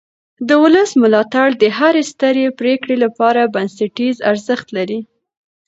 د ولس ملاتړ د هرې سترې پرېکړې لپاره بنسټیز ارزښت لري